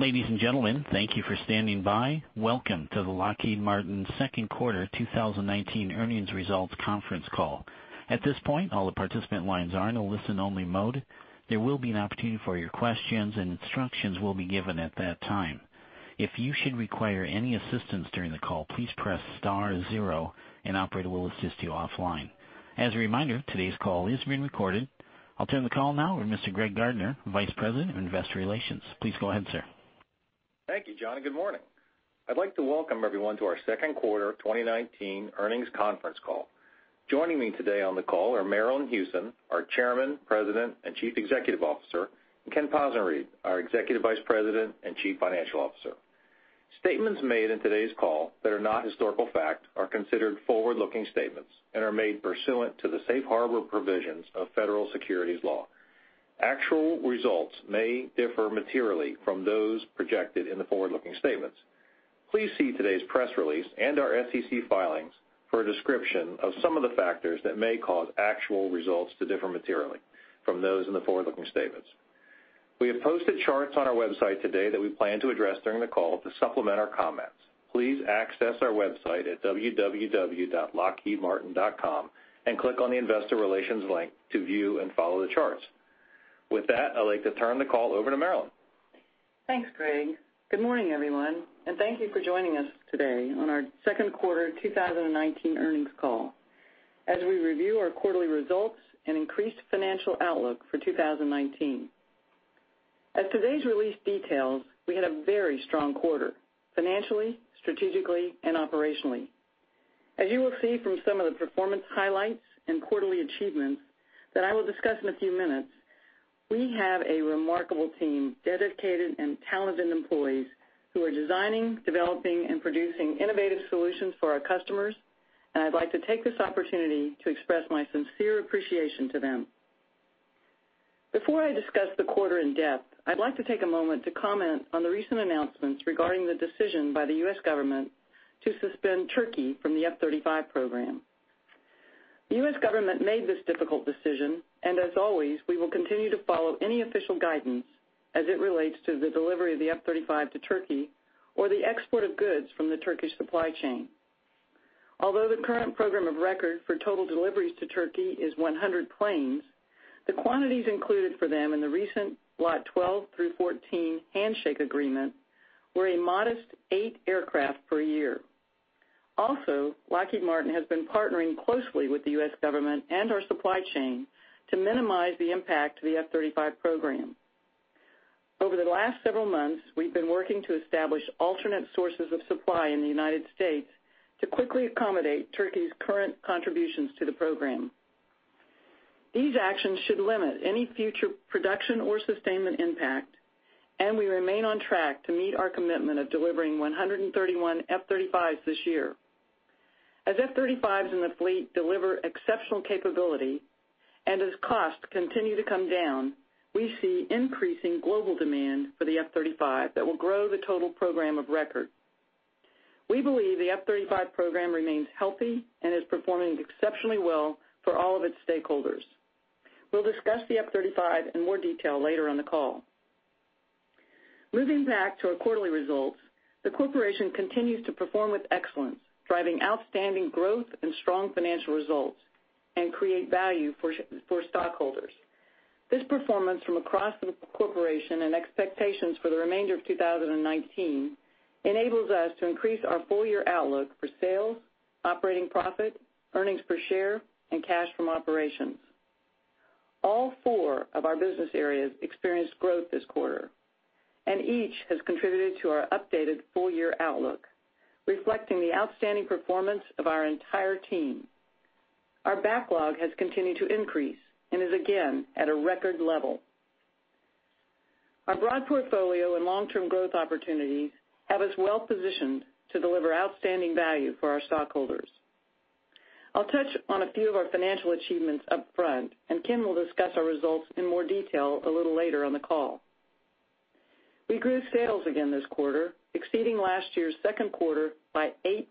Ladies and gentlemen, thank you for standing by. Welcome to the Lockheed Martin second quarter 2019 earnings results conference call. At this point, all the participant lines are in a listen-only mode. There will be an opportunity for your questions, and instructions will be given at that time. If you should require any assistance during the call, please press star zero and operator will assist you offline. As a reminder, today's call is being recorded. I'll turn the call now with Mr. Greg Gardner, vice president of investor relations. Please go ahead, sir. Thank you, John, and good morning. I'd like to welcome everyone to our second quarter 2019 earnings conference call. Joining me today on the call are Marillyn Hewson, our Chairman, President, and Chief Executive Officer, and Ken Possenriede, our Executive Vice President and Chief Financial Officer. Statements made in today's call that are not historical fact are considered forward-looking statements and are made pursuant to the safe harbor provisions of Federal Securities Law. Actual results may differ materially from those projected in the forward-looking statements. Please see today's press release and our SEC filings for a description of some of the factors that may cause actual results to differ materially from those in the forward-looking statements. We have posted charts on our website today that we plan to address during the call to supplement our comments. Please access our website at www.lockheedmartin.com and click on the Investor Relations link to view and follow the charts. With that, I'd like to turn the call over to Marillyn. Thanks, Greg. Good morning, everyone, thank you for joining us today on our second quarter 2019 earnings call as we review our quarterly results and increased financial outlook for 2019. As today's release details, we had a very strong quarter financially, strategically, and operationally. As you will see from some of the performance highlights and quarterly achievements that I will discuss in a few minutes, we have a remarkable team, dedicated and talented employees who are designing, developing, and producing innovative solutions for our customers, and I'd like to take this opportunity to express my sincere appreciation to them. Before I discuss the quarter in depth, I'd like to take a moment to comment on the recent announcements regarding the decision by the U.S. government to suspend Turkey from the F-35 program. The U.S. government made this difficult decision. As always, we will continue to follow any official guidance as it relates to the delivery of the F-35 to Turkey or the export of goods from the Turkish supply chain. Although the current program of record for total deliveries to Turkey is 100 planes, the quantities included for them in the recent Lot 12 through 14 handshake agreement were a modest eight aircraft per year. Lockheed Martin has been partnering closely with the U.S. government and our supply chain to minimize the impact to the F-35 program. Over the last several months, we've been working to establish alternate sources of supply in the United States to quickly accommodate Turkey's current contributions to the program. These actions should limit any future production or sustainment impact. We remain on track to meet our commitment of delivering 131 F-35s this year. As F-35s in the fleet deliver exceptional capability and as costs continue to come down, we see increasing global demand for the F-35 that will grow the total program of record. We believe the F-35 program remains healthy and is performing exceptionally well for all of its stakeholders. We'll discuss the F-35 in more detail later on the call. Moving back to our quarterly results, the corporation continues to perform with excellence, driving outstanding growth and strong financial results, and create value for stockholders. This performance from across the corporation and expectations for the remainder of 2019 enables us to increase our full-year outlook for sales, operating profit, earnings per share, and cash from operations. All four of our business areas experienced growth this quarter, and each has contributed to our updated full-year outlook, reflecting the outstanding performance of our entire team. Our backlog has continued to increase and is again at a record level. Our broad portfolio and long-term growth opportunities have us well positioned to deliver outstanding value for our stockholders. I'll touch on a few of our financial achievements up front, and Ken will discuss our results in more detail a little later on the call. We grew sales again this quarter, exceeding last year's second quarter by 8%,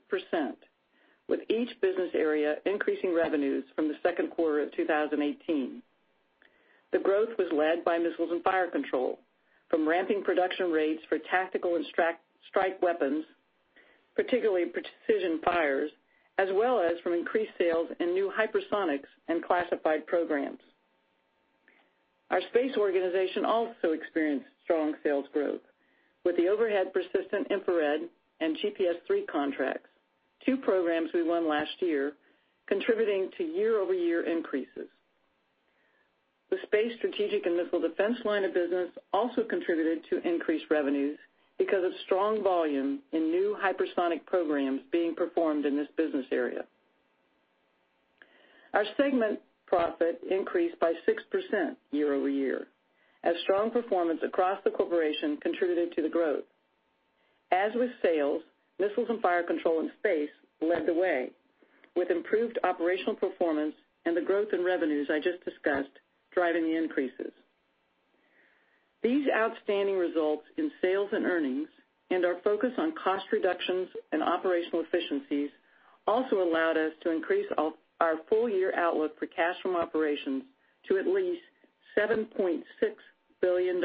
with each business area increasing revenues from the second quarter of 2018. The growth was led by Missiles and Fire Control from ramping production rates for tactical and strike weapons, particularly Precision Fires, as well as from increased sales in new hypersonics and classified programs. Our Space organization also experienced strong sales growth with the Overhead Persistent Infrared and GPS III contracts, two programs we won last year contributing to year-over-year increases. The Space Strategic and Missile Defense line of business also contributed to increased revenues because of strong volume in new hypersonic programs being performed in this business area. Our segment profit increased by 6% year-over-year as strong performance across the corporation contributed to the growth. As with sales, Missiles and Fire Control and Space led the way with improved operational performance and the growth in revenues I just discussed driving the increases. These outstanding results in sales and earnings and our focus on cost reductions and operational efficiencies also allowed us to increase our full year outlook for cash from operations to at least $7.6 billion.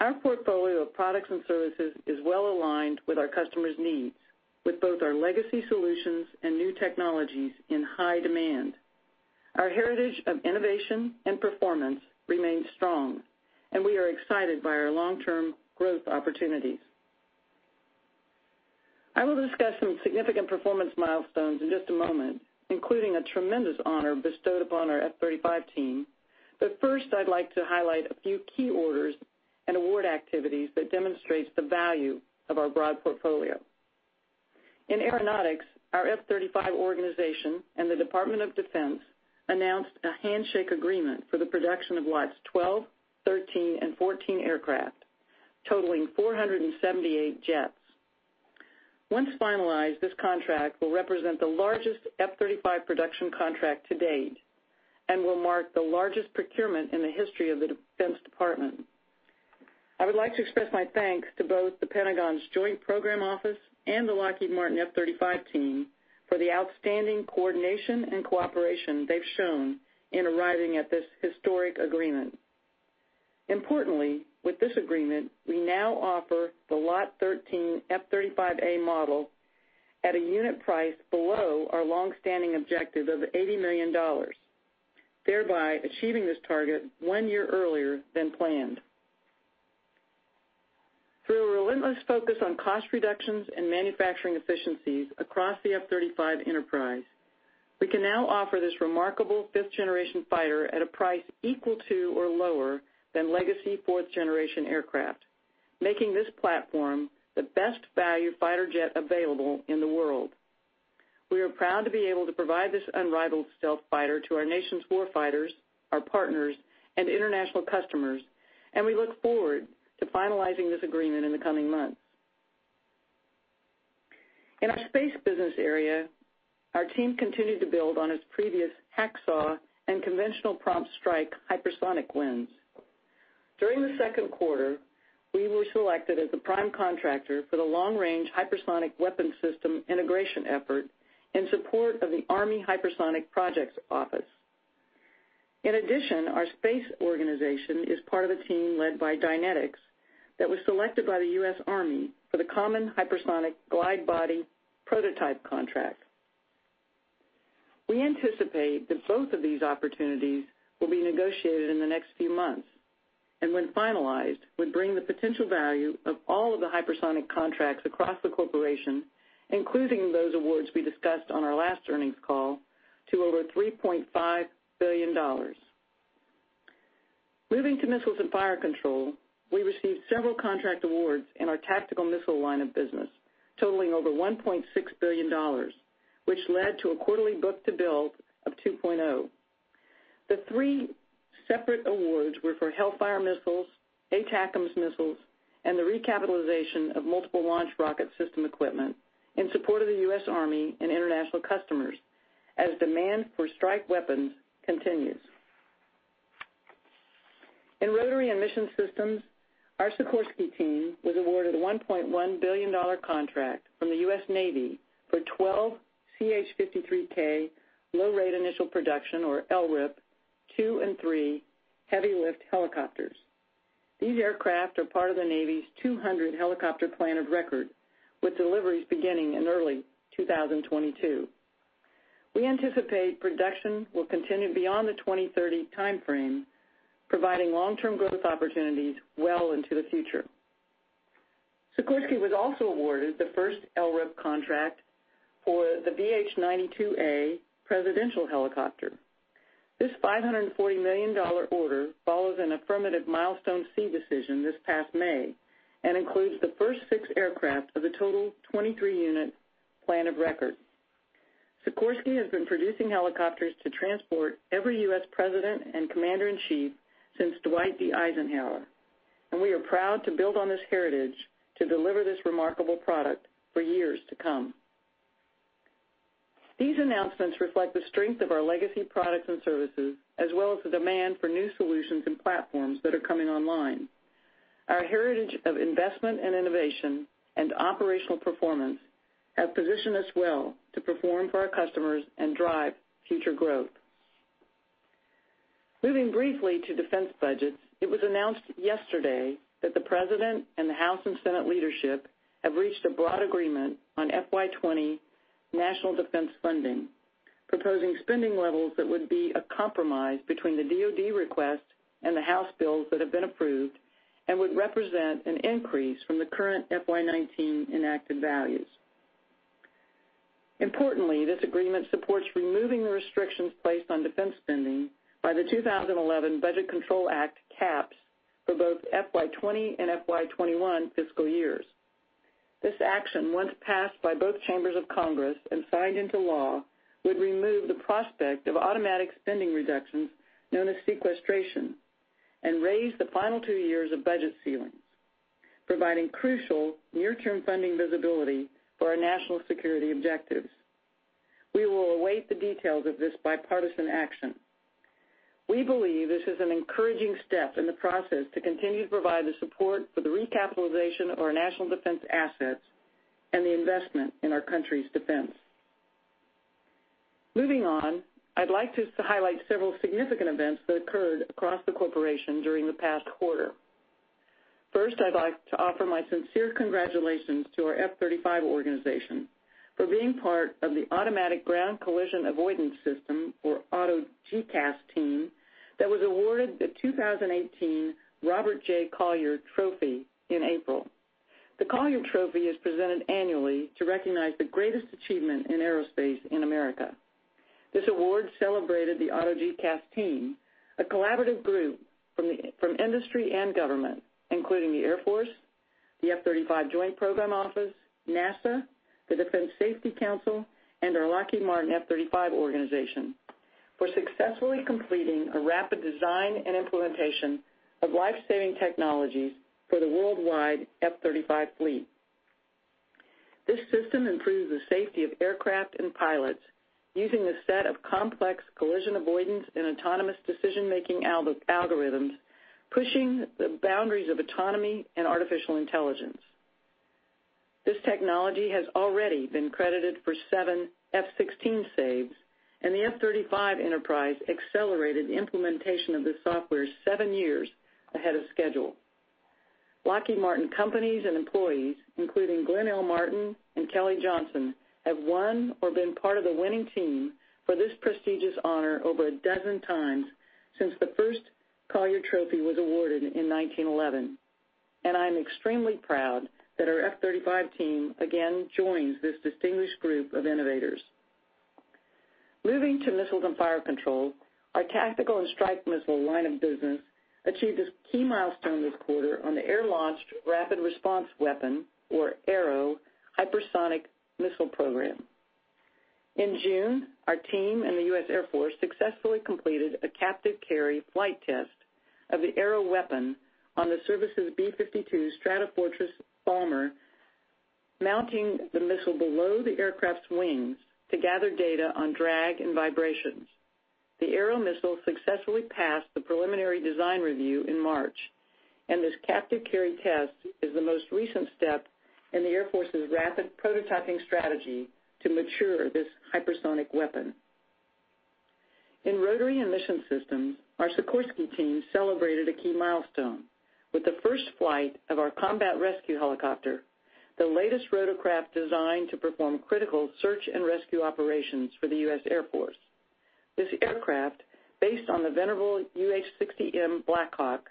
Our portfolio of products and services is well-aligned with our customers' needs, with both our legacy solutions and new technologies in high demand. Our heritage of innovation and performance remains strong, and we are excited by our long-term growth opportunities. I will discuss some significant performance milestones in just a moment, including a tremendous honor bestowed upon our F-35 team. First, I'd like to highlight a few key orders and award activities that demonstrates the value of our broad portfolio. In aeronautics, our F-35 organization and the Department of Defense announced a handshake agreement for the production of lots 12, 13, and 14 aircraft, totaling 478 jets. Once finalized, this contract will represent the largest F-35 production contract to date and will mark the largest procurement in the history of the Defense Department. I would like to express my thanks to both the Pentagon's Joint Program Office and the Lockheed Martin F-35 team for the outstanding coordination and cooperation they've shown in arriving at this historic agreement. Importantly, with this agreement, we now offer the lot 13 F-35A model at a unit price below our longstanding objective of $80 million, thereby achieving this target one year earlier than planned. Through a relentless focus on cost reductions and manufacturing efficiencies across the F-35 enterprise, we can now offer this remarkable fifth-generation fighter at a price equal to or lower than legacy fourth-generation aircraft, making this platform the best value fighter jet available in the world. We are proud to be able to provide this unrivaled stealth fighter to our nation's war fighters, our partners, and international customers. We look forward to finalizing this agreement in the coming months. In our Space business area, our team continued to build on its previous HAWC and Conventional Prompt Strike hypersonic wins. During the second quarter, we were selected as the prime contractor for the Long-Range Hypersonic Weapon system integration effort in support of the Army Hypersonic Project Office. In addition, our space organization is part of a team led by Dynetics that was selected by the U.S. Army for the Common Hypersonic Glide Body prototype contract. We anticipate that both of these opportunities will be negotiated in the next few months, and when finalized, would bring the potential value of all of the hypersonic contracts across the corporation, including those awards we discussed on our last earnings call, to over $3.5 billion. Moving to Missiles and Fire Control, we received several contract awards in our tactical missile line of business totaling over $1.6 billion, which led to a quarterly book-to-bill of 2.0. The three separate awards were for Hellfire missiles, ATACMS missiles, and the recapitalization of Multiple Launch Rocket System equipment in support of the US Army and international customers as demand for strike weapons continues. In Rotary and Mission Systems, our Sikorsky team was awarded a $1.1 billion contract from the U.S. Navy for 12 CH-53K Low Rate Initial Production, or LRIP, 2 and 3 heavy-lift helicopters. These aircraft are part of the Navy's 200 helicopter plan of record, with deliveries beginning in early 2022. We anticipate production will continue beyond the 2030 timeframe, providing long-term growth opportunities well into the future. Sikorsky was also awarded the first LRIP contract for the VH-92A presidential helicopter. This $540 million order follows an affirmative Milestone C decision this past May and includes the first six aircraft of the total 23-unit plan of record. Sikorsky has been producing helicopters to transport every U.S. President and commander-in-chief since Dwight D. Eisenhower, and we are proud to build on this heritage to deliver this remarkable product for years to come. These announcements reflect the strength of our legacy products and services, as well as the demand for new solutions and platforms that are coming online. Our heritage of investment and innovation and operational performance have positioned us well to perform for our customers and drive future growth. Moving briefly to defense budgets, it was announced yesterday that the President and the House and Senate leadership have reached a broad agreement on FY 2020 national defense funding, proposing spending levels that would be a compromise between the DoD request and the House bills that have been approved and would represent an increase from the current FY 2019 enacted values. Importantly, this agreement supports removing the restrictions placed on defense spending by the 2011 Budget Control Act caps for both FY 2020 and FY 2021 fiscal years. This action, once passed by both chambers of Congress and signed into law, would remove the prospect of automatic spending reductions known as sequestration and raise the final two years of budget ceilings, providing crucial near-term funding visibility for our national security objectives. We will await the details of this bipartisan action. We believe this is an encouraging step in the process to continue to provide the support for the recapitalization of our national defense assets and the investment in our country's defense. Moving on, I'd like to highlight several significant events that occurred across the corporation during the past quarter. First, I'd like to offer my sincere congratulations to our F-35 organization for being part of the Automatic Ground Collision Avoidance System, or Auto GCAS team, that was awarded the 2018 Robert J. Collier Trophy in April. The Collier Trophy is presented annually to recognize the greatest achievement in aerospace in America. This award celebrated the Auto GCAS team, a collaborative group from industry and government, including the Air Force, the F-35 Joint Program Office, NASA, the Defense Safety Council, and our Lockheed Martin F-35 organization, for successfully completing a rapid design and implementation of life-saving technologies for the worldwide F-35 fleet. This system improves the safety of aircraft and pilots using a set of complex collision avoidance and autonomous decision-making algorithms, pushing the boundaries of autonomy and artificial intelligence. This technology has already been credited for seven F-16 saves. The F-35 enterprise accelerated implementation of this software seven years ahead of schedule. Lockheed Martin companies and employees, including Glenn L. Martin and Kelly Johnson, have won or been part of the winning team for this prestigious honor over a dozen times since the first Collier Trophy was awarded in 1911. I'm extremely proud that our F-35 team again joins this distinguished group of innovators. Moving to Missiles and Fire Control. Our tactical and strike missile line of business achieved a key milestone this quarter on the Air-Launched Rapid Response Weapon, or ARRW, hypersonic missile program. In June, our team and the U.S. Air Force successfully completed a captive carry flight test of the ARRW weapon on the service's B-52 Stratofortress bomber, mounting the missile below the aircraft's wings to gather data on drag and vibrations. The ARRW missile successfully passed the preliminary design review in March, and this captive carry test is the most recent step in the Air Force's rapid prototyping strategy to mature this hypersonic weapon. In Rotary and Mission Systems, our Sikorsky team celebrated a key milestone with the first flight of our Combat Rescue Helicopter, the latest rotorcraft designed to perform critical search and rescue operations for the U.S. Air Force. This aircraft, based on the venerable UH-60M Black Hawk,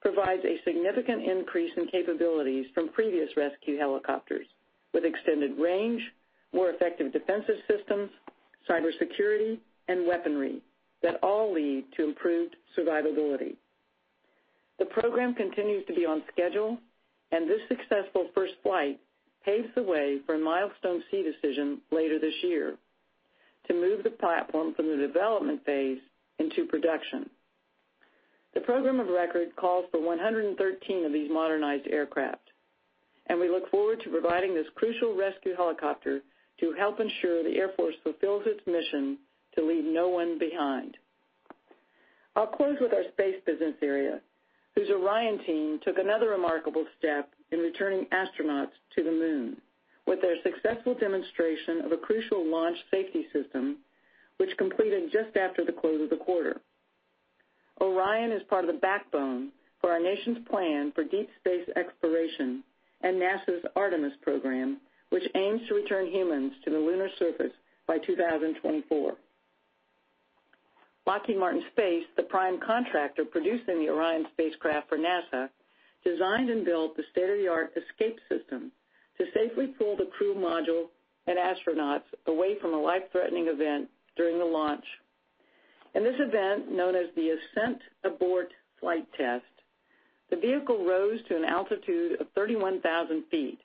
provides a significant increase in capabilities from previous rescue helicopters, with extended range, more effective defensive systems, cyber security, and weaponry that all lead to improved survivability. The program continues to be on schedule, and this successful first flight paves the way for a Milestone C decision later this year to move the platform from the development phase into production. The program of record calls for 113 of these modernized aircraft, we look forward to providing this crucial rescue helicopter to help ensure the Air Force fulfills its mission to leave no one behind. I'll close with our space business area, whose Orion team took another remarkable step in returning astronauts to the moon with their successful demonstration of a crucial launch safety system, which completed just after the close of the quarter. Orion is part of the backbone for our nation's plan for deep space exploration and NASA's Artemis program, which aims to return humans to the lunar surface by 2024. Lockheed Martin Space, the prime contractor producing the Orion spacecraft for NASA, designed and built the state-of-the-art escape system to safely pull the crew module and astronauts away from a life-threatening event during the launch. In this event, known as the Ascent Abort-2, the vehicle rose to an altitude of 31,000 feet,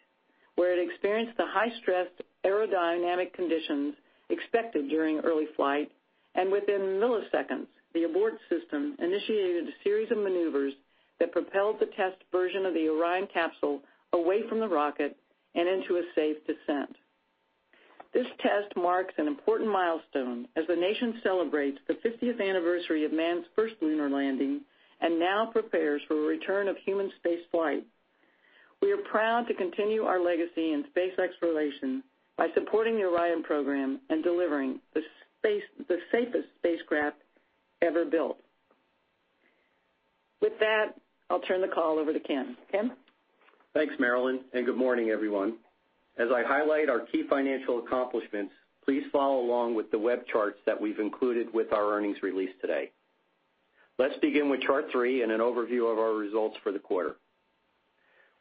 where it experienced the high-stress aerodynamic conditions expected during early flight. Within milliseconds, the abort system initiated a series of maneuvers that propelled the test version of the Orion capsule away from the rocket and into a safe descent. This test marks an important milestone as the nation celebrates the 50th anniversary of man's first lunar landing. Now prepares for a return of human space flight. We are proud to continue our legacy in space exploration by supporting the Orion program and delivering the safest spacecraft ever built. With that, I'll turn the call over to Ken. Ken? Thanks, Marillyn. Good morning, everyone. As I highlight our key financial accomplishments, please follow along with the web charts that we've included with our earnings release today. Let's begin with chart three and an overview of our results for the quarter.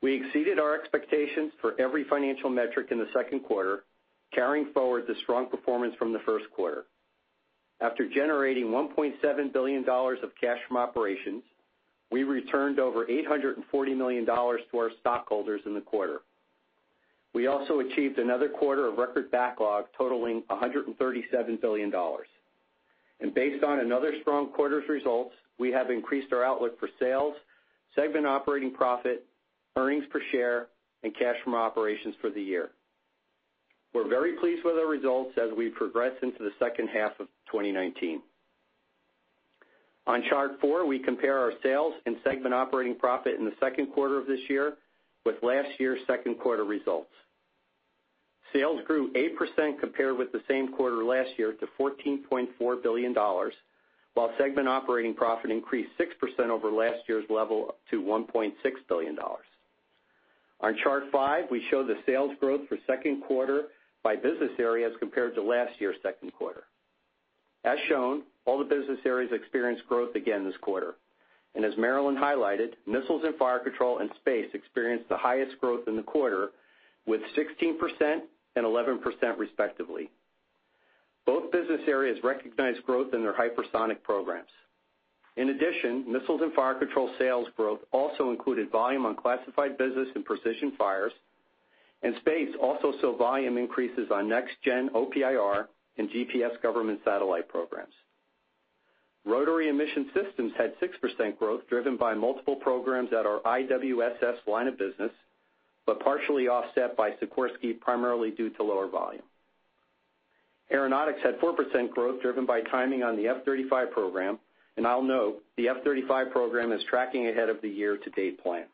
We exceeded our expectations for every financial metric in the second quarter, carrying forward the strong performance from the first quarter. After generating $1.7 billion of cash from operations, we returned over $840 million to our stockholders in the quarter. We also achieved another quarter of record backlog totaling $137 billion. Based on another strong quarter's results, we have increased our outlook for sales, segment operating profit, earnings per share, and cash from operations for the year. We're very pleased with our results as we progress into the second half of 2019. On chart four, we compare our sales and segment operating profit in the second quarter of this year with last year's second quarter results. Sales grew 8% compared with the same quarter last year to $14.4 billion, while segment operating profit increased 6% over last year's level up to $1.6 billion. On chart five, we show the sales growth for second quarter by business areas compared to last year's second quarter. As shown, all the business areas experienced growth again this quarter. As Marillyn highlighted, Missiles and Fire Control, and Space experienced the highest growth in the quarter, with 16% and 11% respectively. Both business areas recognized growth in their hypersonic programs. In addition, Missiles and Fire Control sales growth also included volume on classified business and Precision Fires, and Space also saw volume increases on Next-Gen OPIR and GPS government satellite programs. Rotary and Mission Systems had 6% growth, driven by multiple programs at our IWSS line of business, but partially offset by Sikorsky, primarily due to lower volume. Aeronautics had 4% growth, driven by timing on the F-35 program, and I'll note, the F-35 program is tracking ahead of the year-to-date plan.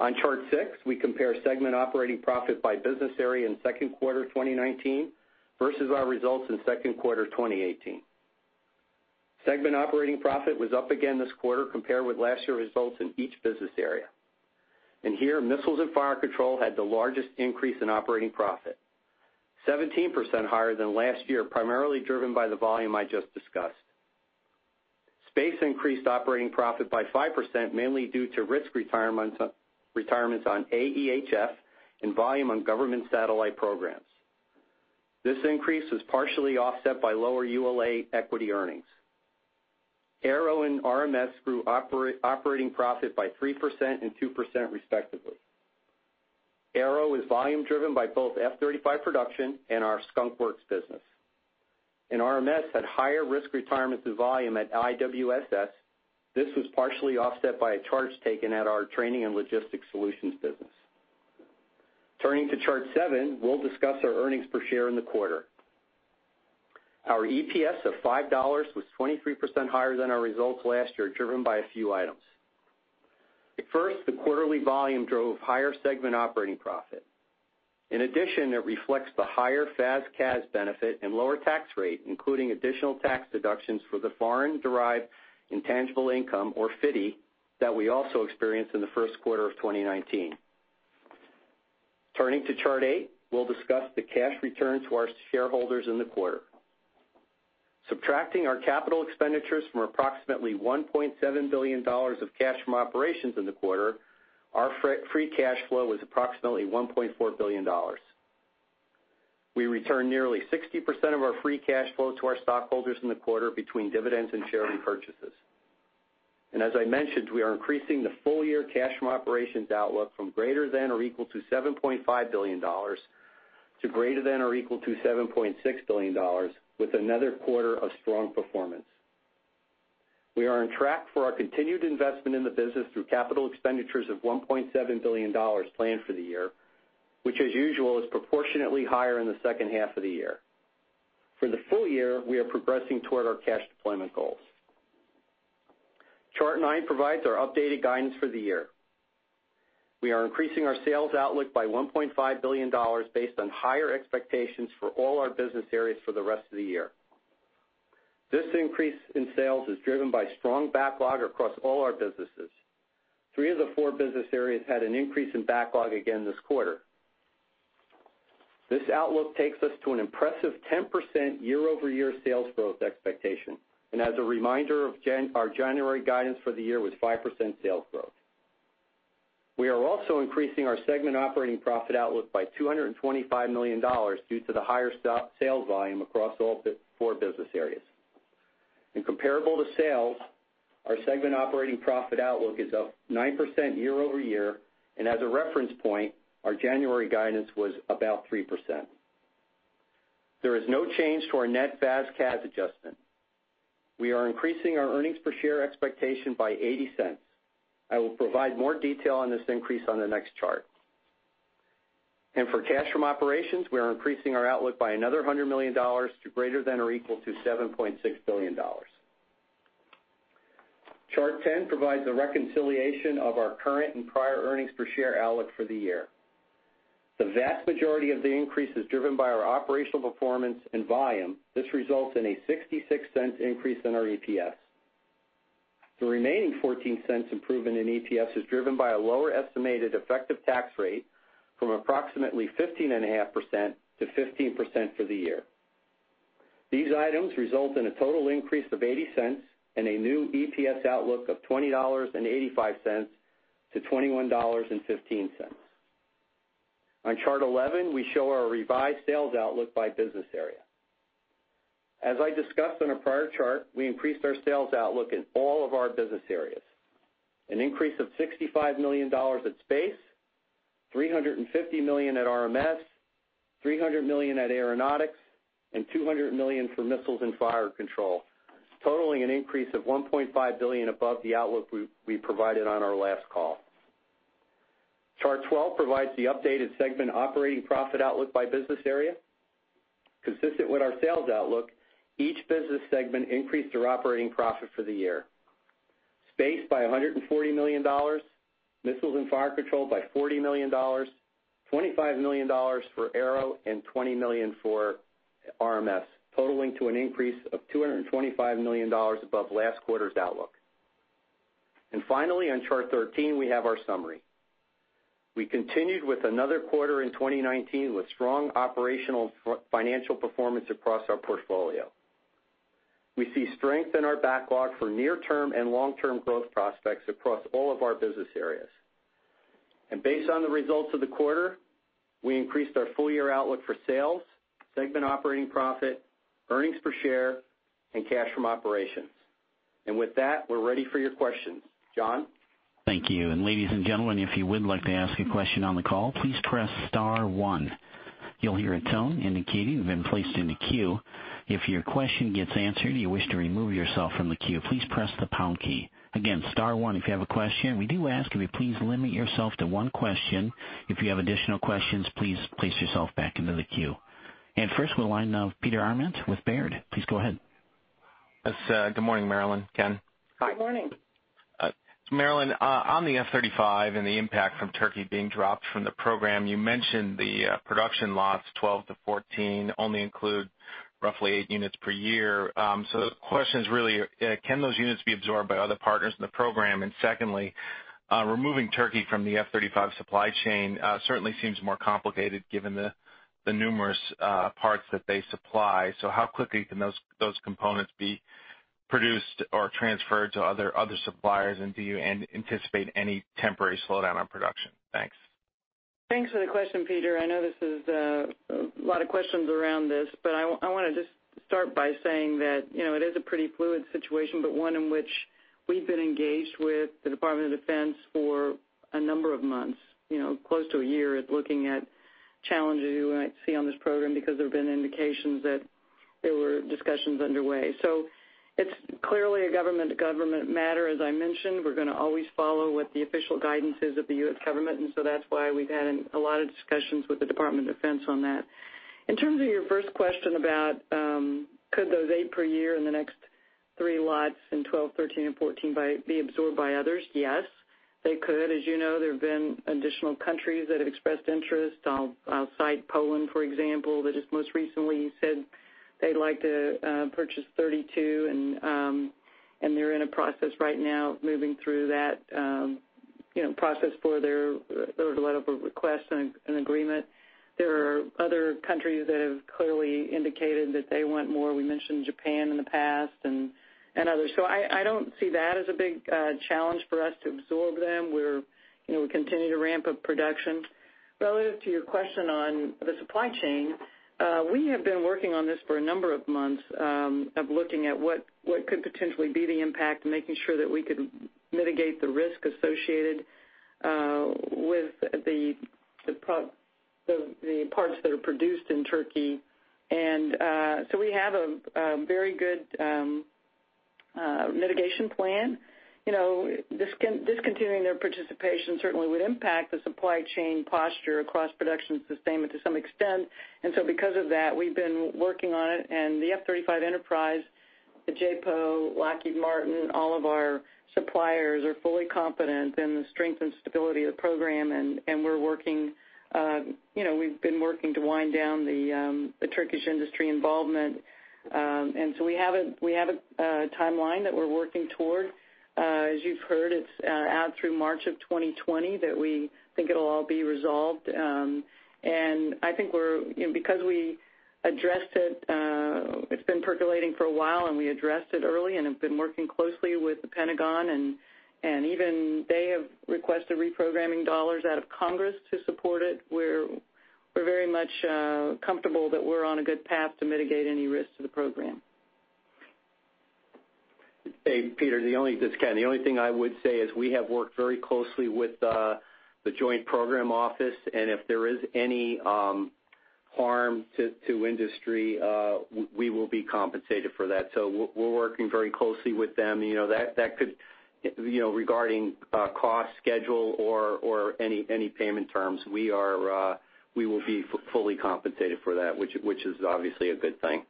On chart six, we compare segment operating profit by business area in second quarter 2019 versus our results in second quarter 2018. Segment operating profit was up again this quarter compared with last year's results in each business area. Here, Missiles and Fire Control had the largest increase in operating profit. 17% higher than last year, primarily driven by the volume I just discussed. Space increased operating profit by 5%, mainly due to risk retirements on AEHF and volume on government satellite programs. This increase was partially offset by lower ULA equity earnings. Aero and RMS grew operating profit by 3% and 2% respectively. Aero was volume driven by both F-35 production and our Skunk Works business. RMS had higher risk retirements and volume at IWSS. This was partially offset by a charge taken at our Training and Logistics Solutions business. Turning to chart seven, we'll discuss our earnings per share in the quarter. Our EPS of $5 was 23% higher than our results last year, driven by a few items. At first, the quarterly volume drove higher segment operating profit. In addition, it reflects the higher FAS/CAS benefit and lower tax rate, including additional tax deductions for the foreign-derived intangible income, or FDII, that we also experienced in the first quarter of 2019. Turning to chart 8, we'll discuss the cash return to our shareholders in the quarter. Subtracting our capital expenditures from approximately $1.7 billion of cash from operations in the quarter, our free cash flow was approximately $1.4 billion. We returned nearly 60% of our free cash flow to our stockholders in the quarter between dividends and share repurchases. As I mentioned, we are increasing the full-year cash from operations outlook from greater than or equal to $7.5 billion, to greater than or equal to $7.6 billion with another quarter of strong performance. We are on track for our continued investment in the business through capital expenditures of $1.7 billion planned for the year, which as usual, is proportionately higher in the second half of the year. For the full year, we are progressing toward our cash deployment goals. Chart nine provides our updated guidance for the year. We are increasing our sales outlook by $1.5 billion based on higher expectations for all our business areas for the rest of the year. This increase in sales is driven by strong backlog across all our businesses. Three of the four business areas had an increase in backlog again this quarter. This outlook takes us to an impressive 10% year-over-year sales growth expectation. As a reminder, our January guidance for the year was 5% sales growth. We are also increasing our segment operating profit outlook by $225 million due to the higher sales volume across all four business areas. In comparable to sales, our segment operating profit outlook is up 9% year-over-year, and as a reference point, our January guidance was about 3%. There is no change to our net FAS/CAS adjustment. We are increasing our earnings per share expectation by $0.80. I will provide more detail on this increase on the next chart. For cash from operations, we are increasing our outlook by another $100 million to greater than or equal to $7.6 billion. Chart 10 provides a reconciliation of our current and prior earnings per share outlook for the year. The vast majority of the increase is driven by our operational performance and volume. This results in a $0.66 increase in our EPS. The remaining $0.14 improvement in EPS is driven by a lower estimated effective tax rate from approximately 15.5% to 15% for the year. These items result in a total increase of $0.80 and a new EPS outlook of $20.85-$21.15. On chart 11, we show our revised sales outlook by business area. As I discussed on a prior chart, we increased our sales outlook in all of our business areas. An increase of $65 million at Space, $350 million at RMS, $300 million at Aeronautics, and $200 million for Missiles and Fire Control, totaling an increase of $1.5 billion above the outlook we provided on our last call. Chart 12 provides the updated segment operating profit outlook by business area. Consistent with our sales outlook, each business segment increased their operating profit for the year. Space by $140 million, Missiles and Fire Control by $40 million, $25 million for Aero, and $20 million for RMS, totaling to an increase of $225 million above last quarter's outlook. Finally, on chart 13, we have our summary. We continued with another quarter in 2019 with strong operational financial performance across our portfolio. We see strength in our backlog for near-term and long-term growth prospects across all of our business areas. Based on the results of the quarter, we increased our full-year outlook for sales, segment operating profit, earnings per share, and cash from operations. With that, we're ready for your questions. John? Thank you. Ladies and gentlemen, if you would like to ask a question on the call, please press star one. You'll hear a tone indicating you've been placed in the queue. If your question gets answered and you wish to remove yourself from the queue, please press the pound key. Again, star one if you have a question. We do ask that you please limit yourself to one question. If you have additional questions, please place yourself back into the queue. First, we'll line up Peter Arment with Baird. Please go ahead. Good morning, Marillyn, Ken. Hi. Good morning. Marillyn, on the F-35 and the impact from Turkey being dropped from the program, you mentioned the production lots 12 to 14 only include roughly eight units per year. The question is really, can those units be absorbed by other partners in the program? Secondly, removing Turkey from the F-35 supply chain certainly seems more complicated given the numerous parts that they supply. How quickly can those components be produced or transferred to other suppliers, and do you anticipate any temporary slowdown on production? Thanks. Thanks for the question, Peter. I know there's a lot of questions around this, but I want to just start by saying that it is a pretty fluid situation, but one in which we've been engaged with the Department of Defense for a number of months, close to a year at looking at challenges we might see on this program because there have been indications that there were discussions underway. It's clearly a government-to-government matter. As I mentioned, we're going to always follow what the official guidance is of the U.S. government, that's why we've had a lot of discussions with the Department of Defense on that. In terms of your first question about could those eight per year in the next three lots in 12, 13 and 14 be absorbed by others? Yes, they could. As you know, there have been additional countries that have expressed interest. I'll cite Poland, for example, that just most recently said they'd like to purchase 32, and they're in a process right now moving through that process for their letter of request and agreement. There are other countries that have clearly indicated that they want more. We mentioned Japan in the past and others. I don't see that as a big challenge for us to absorb them. We continue to ramp up production. Related to your question on the supply chain, we have been working on this for a number of months, of looking at what could potentially be the impact and making sure that we could mitigate the risk associated with the parts that are produced in Turkey. We have a very good mitigation plan. Discontinuing their participation certainly would impact the supply chain posture across production sustainment to some extent. Because of that, we've been working on it, and the F-35 enterprise, the JPO, Lockheed Martin, all of our suppliers are fully confident in the strength and stability of the program. We've been working to wind down the Turkish industry involvement. We have a timeline that we're working toward. As you've heard, it's out through March of 2020 that we think it'll all be resolved. I think because we addressed it's been percolating for a while, and we addressed it early and have been working closely with the Pentagon, and even they have requested reprogramming dollars out of Congress to support it. We're very much comfortable that we're on a good path to mitigate any risks to the program. Hey, Peter, this is Ken. The only thing I would say is we have worked very closely with the Joint Program Office, and if there is any harm to industry, we will be compensated for that. We're working very closely with them regarding cost, schedule, or any payment terms. We will be fully compensated for that, which is obviously a good thing.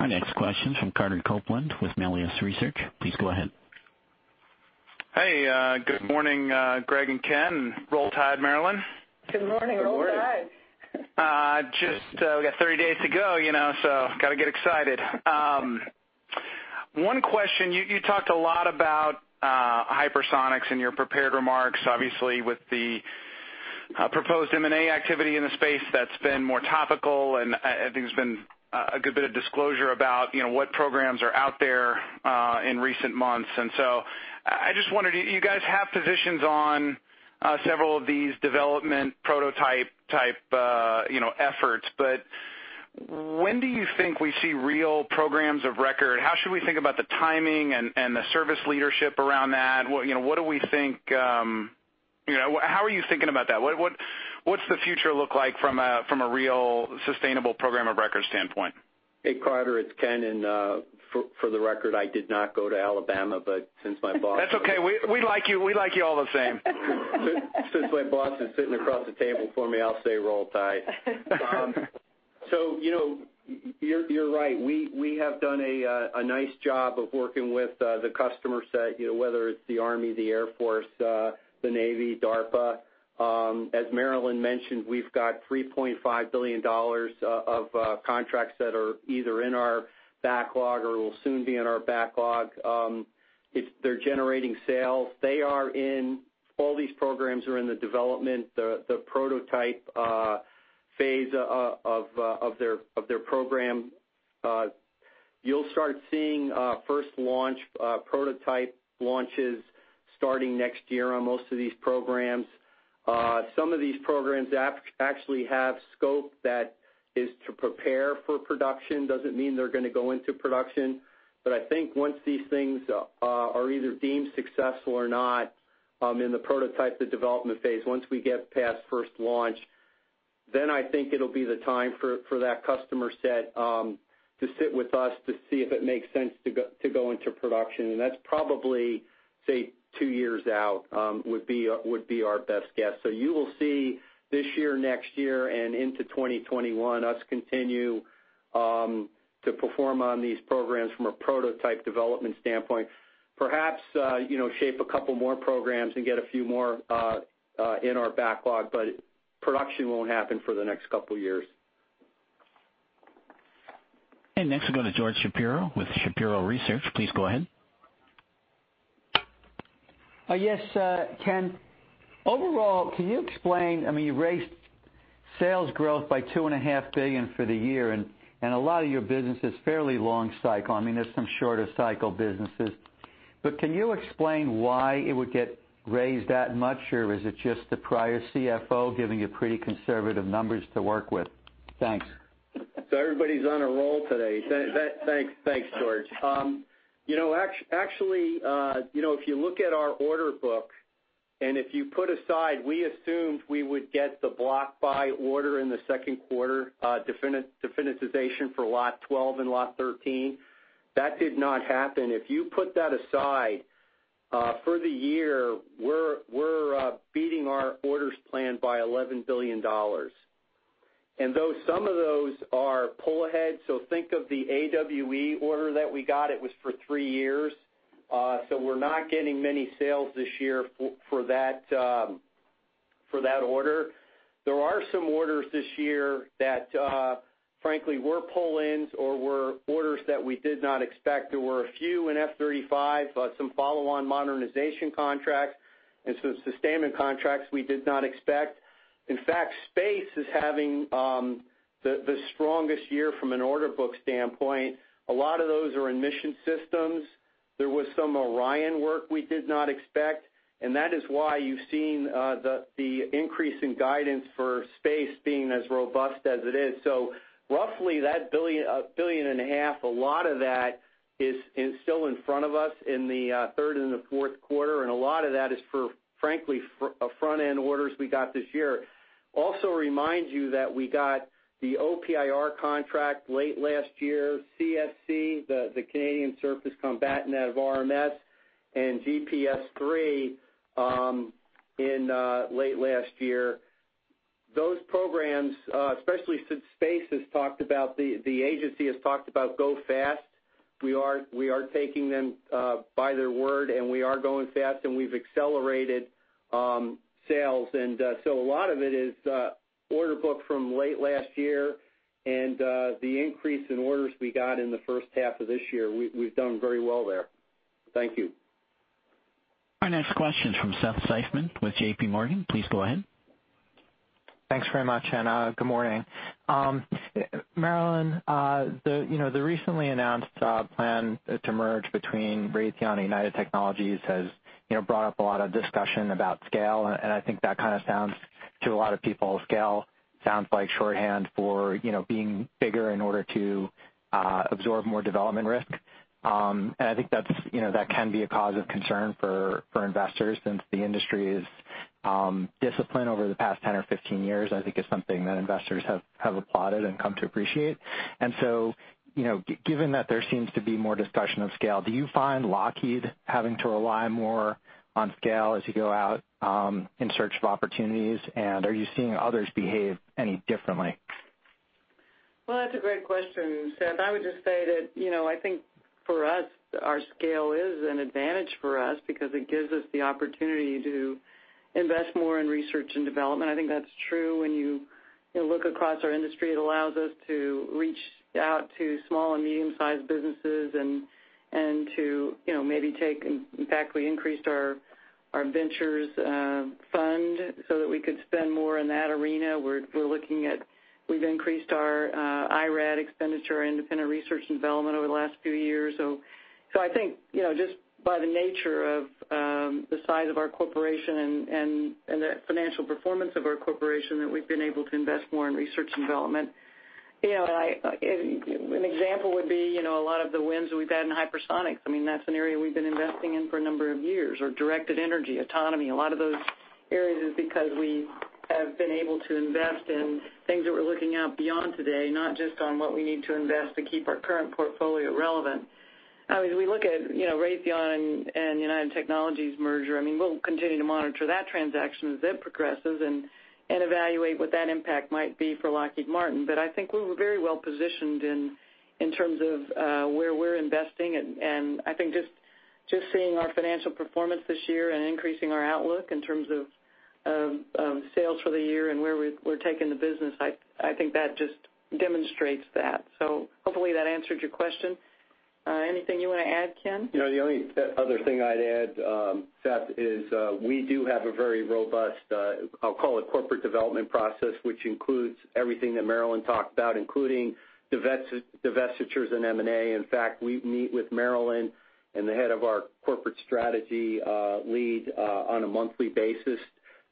Our next question from Carter Copeland with Melius Research. Please go ahead. Hey, good morning, Greg and Ken. Roll tide, Marillyn. Good morning. Roll tide. Good morning. We got 30 days to go, got to get excited. One question. You talked a lot about hypersonics in your prepared remarks, obviously with the proposed M&A activity in the space that's been more topical. I think there's been a good bit of disclosure about what programs are out there in recent months. I just wondered, you guys have positions on several of these development prototype type efforts, but when do you think we see real programs of record? How should we think about the timing and the service leadership around that? How are you thinking about that? What's the future look like from a real sustainable program of record standpoint? Hey, Carter, it's Ken. For the record, I did not go to Alabama, but since my boss- That's okay. We like you all the same. Since my boss is sitting across the table from me, I'll say Roll Tide. You're right. We have done a nice job of working with the customer set, whether it's the Army, the Air Force, the Navy, DARPA. As Marillyn mentioned, we've got $3.5 billion of contracts that are either in our backlog or will soon be in our backlog. They're generating sales. All these programs are in the development, the prototype phase of their program. You'll start seeing first launch prototype launches starting next year on most of these programs. Some of these programs actually have scope that is to prepare for production. Doesn't mean they're going to go into production. I think once these things are either deemed successful or not in the prototype, the development phase, once we get past first launch, then I think it'll be the time for that customer set to sit with us to see if it makes sense to go into production, and that's probably, say, two years out would be our best guess. You will see this year, next year, and into 2021, us continue to perform on these programs from a prototype development standpoint. Perhaps shape a couple more programs and get a few more in our backlog, but production won't happen for the next couple of years. Next we go to George Shapiro with Shapiro Research. Please go ahead. Yes, Ken. Overall, can you explain, you raised sales growth by two and a half billion for the year, and a lot of your business is fairly long cycle. There's some shorter cycle businesses. Can you explain why it would get raised that much, or is it just the prior CFO giving you pretty conservative numbers to work with? Thanks. Everybody's on a roll today. Thanks, George. Actually, if you look at our order book and if you put aside, we assumed we would get the block buy order in the second quarter definitization for lot 12 and lot 13. That did not happen. If you put that aside, for the year, we're beating our orders plan by $11 billion. Though some of those are pull-ahead, so think of the AWE order that we got, it was for three years. We're not getting many sales this year for that order. There are some orders this year that, frankly, were pull-ins or were orders that we did not expect. There were a few in F-35, but some follow-on modernization contracts and some sustainment contracts we did not expect. In fact, Space is having the strongest year from an order book standpoint. A lot of those are in mission systems. There was some Orion work we did not expect, and that is why you've seen the increase in guidance for Space being as robust as it is. Roughly that $1.5 billion, a lot of that is still in front of us in the third and fourth quarter, and a lot of that is for, frankly, front-end orders we got this year. Also remind you that we got the OPIR contract late last year, CSC, the Canadian Surface Combatant out of RMS, and GPS III late last year. Those programs, especially since Space has talked about, the agency has talked about go fast. We are taking them by their word, and we are going fast, and we've accelerated sales. A lot of it is order book from late last year and the increase in orders we got in the first half of this year. We've done very well there. Thank you. Our next question is from Seth Seifman with JPMorgan. Please go ahead. Thanks very much. Good morning. Marillyn, the recently announced plan to merge between Raytheon and United Technologies has brought up a lot of discussion about scale. I think that kind of sounds to a lot of people, scale sounds like shorthand for being bigger in order to absorb more development risk. I think that can be a cause of concern for investors since the industry's discipline over the past 10 or 15 years, I think, is something that investors have applauded and come to appreciate. Given that there seems to be more discussion of scale, do you find Lockheed having to rely more on scale as you go out in search of opportunities, and are you seeing others behave any differently? Well, that's a great question, Seth. I would just say that, I think for us, our scale is an advantage for us because it gives us the opportunity to invest more in research and development. I think that's true when you look across our industry. It allows us to reach out to small and medium sized businesses and to maybe take, in fact, we increased our ventures fund so that we could spend more in that arena. We've increased our IRAD expenditure, independent research and development, over the last few years. I think just by the nature of the size of our corporation and the financial performance of our corporation, that we've been able to invest more in research and development. An example would be a lot of the wins that we've had in hypersonics. That's an area we've been investing in for a number of years, or directed energy, autonomy. A lot of those areas is because we have been able to invest in things that we're looking out beyond today, not just on what we need to invest to keep our current portfolio relevant. As we look at Raytheon and United Technologies merger, we'll continue to monitor that transaction as it progresses and evaluate what that impact might be for Lockheed Martin. I think we're very well positioned in terms of where we're investing, and I think just seeing our financial performance this year and increasing our outlook in terms of sales for the year and where we're taking the business, I think that just demonstrates that. Hopefully that answered your question. Anything you want to add, Ken? The only other thing I'd add, Seth, is we do have a very robust, I'll call it corporate development process, which includes everything that Marillyn talked about, including divestitures and M&A. We meet with Marillyn and the head of our corporate strategy lead on a monthly basis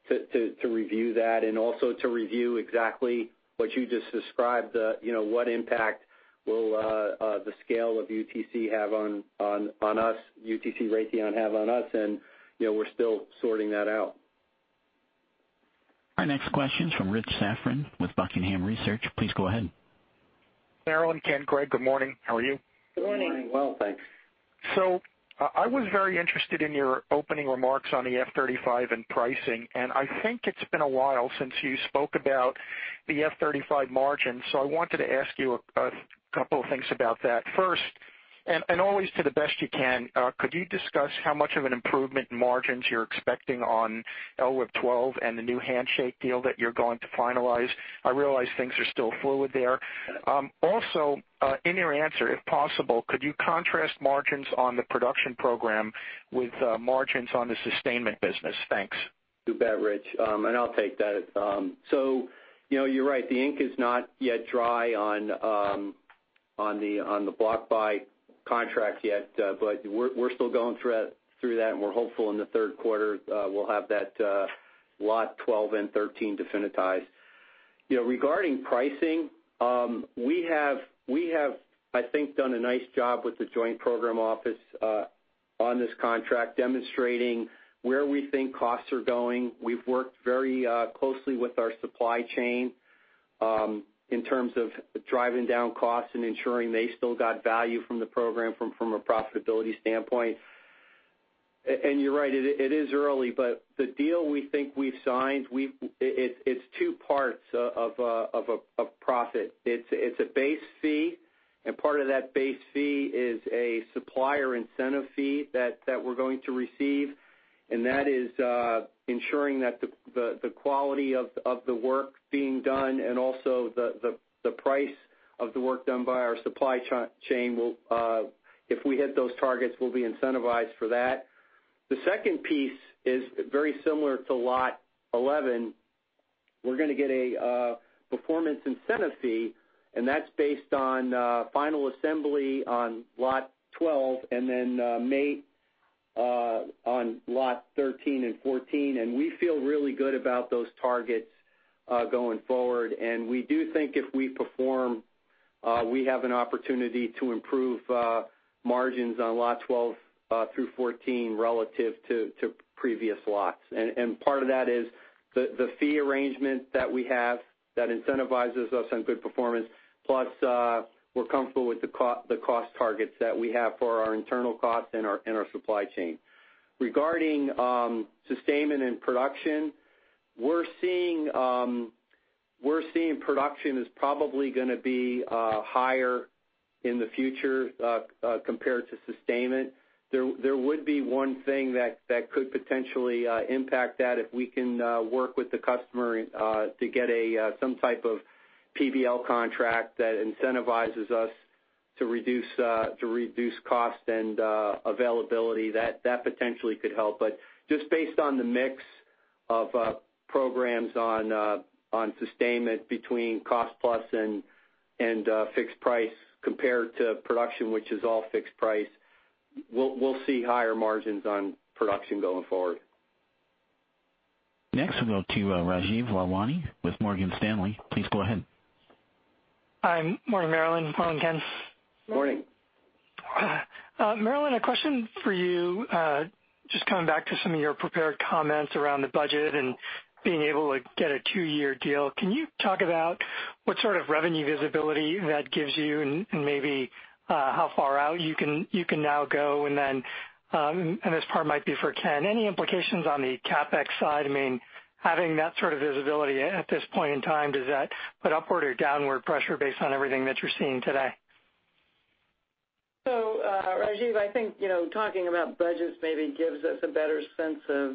to review that and also to review exactly what you just described, what impact will the scale of UTC have on us, UTC Raytheon have on us, and we're still sorting that out. Our next question is from Rich Safran with Buckingham Research. Please go ahead. Marillyn, Ken, Greg, good morning. How are you? Good morning. Good morning. Well, thanks. I was very interested in your opening remarks on the F-35 and pricing, and I think it's been a while since you spoke about the F-35 margins. I wanted to ask you a couple of things about that. First, and always to the best you can, could you discuss how much of an improvement in margins you're expecting on LRIP 12 and the new handshake deal that you're going to finalize? I realize things are still fluid there. Also, in your answer, if possible, could you contrast margins on the production program with margins on the sustainment business? Thanks. You bet, Rich. I'll take that. You're right, the ink is not yet dry on the block buy contract yet, but we're still going through that, and we're hopeful in the third quarter we'll have that lot 12 and 13 definitized. Regarding pricing, we have, I think, done a nice job with the Joint Program Office on this contract, demonstrating where we think costs are going. We've worked very closely with our supply chain in terms of driving down costs and ensuring they still got value from the program from a profitability standpoint. You're right, it is early, but the deal we think we've signed, it's two parts of a profit. It's a base fee, and part of that base fee is a supplier incentive fee that we're going to receive, and that is ensuring that the quality of the work being done and also the price of the work done by our supply chain, if we hit those targets, we'll be incentivized for that. The second piece is very similar to lot 11. We're going to get a performance incentive fee, and that's based on final assembly on lot 12 and then mate on lot 13 and 14, and we feel really good about those targets going forward. We do think if we perform, we have an opportunity to improve margins on lot 12 through 14 relative to previous lots. Part of that is the fee arrangement that we have that incentivizes us on good performance, plus we're comfortable with the cost targets that we have for our internal costs and our supply chain. Regarding sustainment and production, we're seeing production is probably going to be higher in the future, compared to sustainment. There would be one thing that could potentially impact that if we can work with the customer, to get some type of PBL contract that incentivizes us to reduce cost and availability. That potentially could help. Just based on the mix of programs on sustainment between cost plus and fixed price compared to production, which is all fixed price, we'll see higher margins on production going forward. Next, we'll go to Rajeev Lalwani with Morgan Stanley. Please go ahead. Hi, morning, Marillyn. Morning, Ken. Morning. Morning. Marillyn, a question for you, just coming back to some of your prepared comments around the budget and being able to get a two-year deal. Can you talk about what sort of revenue visibility that gives you and maybe how far out you can now go? This part might be for Ken, any implications on the CapEx side? Having that sort of visibility at this point in time, does that put upward or downward pressure based on everything that you're seeing today? Rajeev, I think, talking about budgets maybe gives us a better sense of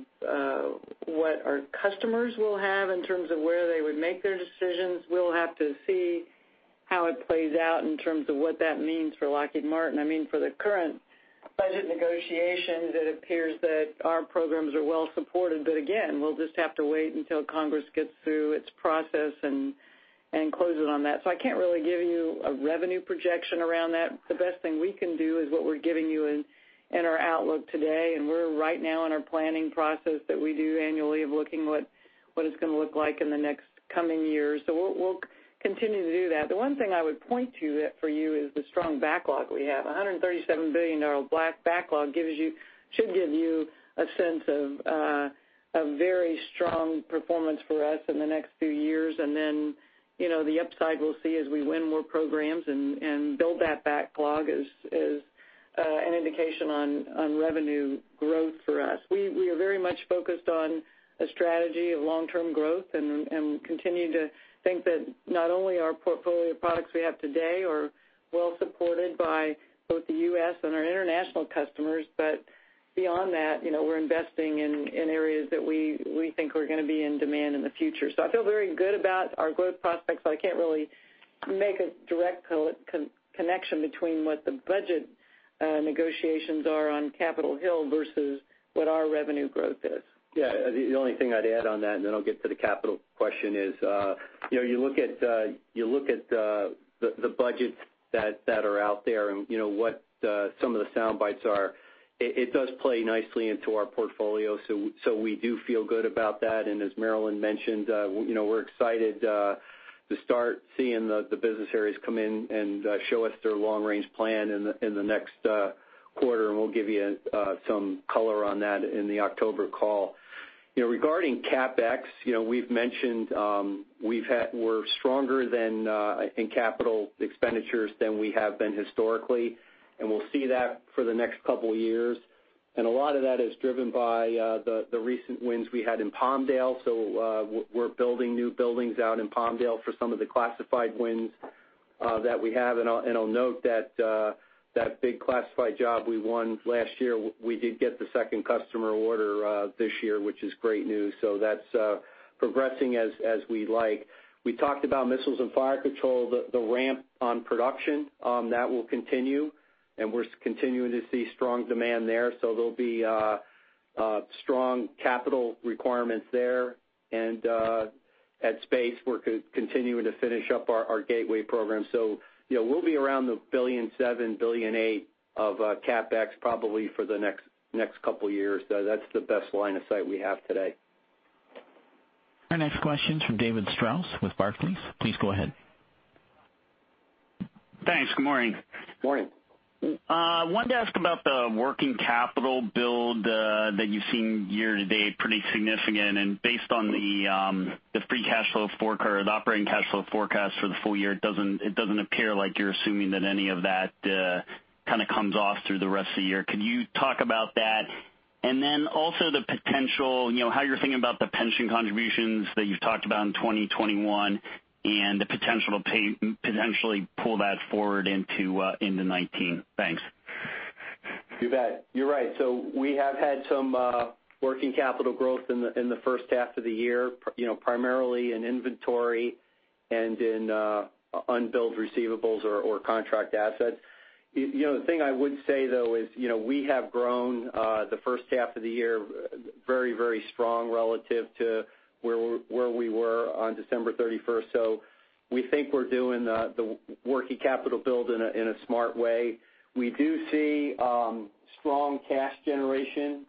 what our customers will have in terms of where they would make their decisions. We'll have to see how it plays out in terms of what that means for Lockheed Martin. For the current budget negotiations, it appears that our programs are well supported. Again, we'll just have to wait until Congress gets through its process and closes on that. I can't really give you a revenue projection around that. The best thing we can do is what we're giving you in our outlook today, and we're right now in our planning process that we do annually of looking what it's going to look like in the next coming years. We'll continue to do that. The one thing I would point to for you is the strong backlog we have. $137 billion backlog should give you a sense of very strong performance for us in the next few years. The upside we'll see as we win more programs and build that backlog is an indication on revenue growth for us. We are very much focused on a strategy of long-term growth, and we continue to think that not only our portfolio of products we have today are well supported by both the U.S. and our international customers. Beyond that, we're investing in areas that we think are going to be in demand in the future. I feel very good about our growth prospects, but I can't really make a direct connection between what the budget negotiations are on Capitol Hill versus what our revenue growth is. The only thing I'd add on that, then I'll get to the capital question is, you look at the budgets that are out there and what some of the soundbites are. It does play nicely into our portfolio. We do feel good about that. As Marillyn mentioned, we're excited to start seeing the business areas come in and show us their long-range plan in the next quarter, and we'll give you some color on that in the October call. Regarding CapEx, we've mentioned, we're stronger than, I think, capital expenditures than we have been historically, and we'll see that for the next couple of years. A lot of that is driven by the recent wins we had in Palmdale. We're building new buildings out in Palmdale for some of the classified wins that we have. I'll note that big classified job we won last year, we did get the second customer order this year, which is great news. That's progressing as we like. We talked about Missiles and Fire Control, the ramp on production. That will continue, and we're continuing to see strong demand there. There'll be strong capital requirements there. At Space, we're continuing to finish up our Gateway program. We'll be around the $1.7 billion, $1.8 billion of CapEx probably for the next couple of years. That's the best line of sight we have today. Our next question's from David Strauss with Barclays. Please go ahead. Thanks. Good morning. Good morning. Wanted to ask about the working capital build that you've seen year to date, pretty significant. Based on the free cash flow forecast, the operating cash flow forecast for the full year, it doesn't appear like you're assuming that any of that kind of comes off through the rest of the year. Could you talk about that? Also the potential, how you're thinking about the pension contributions that you've talked about in 2021 and the potential to pull that forward into 2019. Thanks. You bet. You're right. We have had some working capital growth in the first half of the year, primarily in inventory and in unbilled receivables or contract assets. The thing I would say, though, is we have grown the first half of the year very strong relative to where we were on December 31st. We think we're doing the working capital build in a smart way. We do see strong cash generation